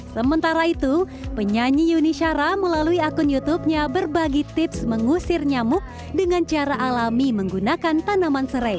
sementara itu penyanyi yuni syara melalui akun youtubenya berbagi tips mengusir nyamuk dengan cara alami menggunakan tanaman serai